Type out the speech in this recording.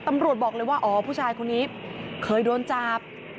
ตำรวจบอกเลยว่าอ๋อผู้ชายคนนี้เคยโดนจับ